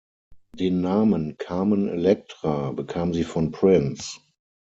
Den Namen „Carmen Electra“ bekam sie von Prince.